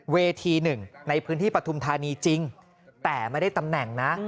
เวทีหนึ่งในพื้นที่ปฐุมธานีจริงแต่ไม่ได้ตำแหน่งนะ